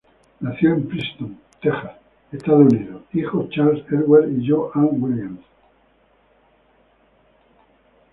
Nació en Princeton, Texas, Estados Unidos, hijo Charles Edward y Jo-Ann Williams.